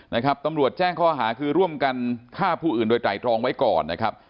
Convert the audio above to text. ตำรวจแจ้งข้อหาคือร่วมกันฆ่าผู้อื่นโดยไตรรองไว้ก่อนนะครับ